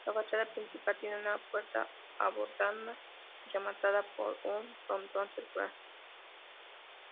La fachada principal tiene una puerta adornada y rematada por un frontón circular.